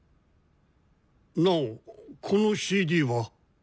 ナオこのＣＤは。